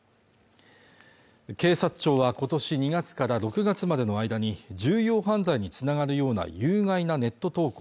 警察庁はことし２月から６月までの間に重要犯罪につながるような有害なネット投稿